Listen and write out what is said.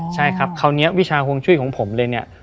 ใช่ครับคราวนี้วิชาห่วงจุ้ยของผมเลยเนี่ย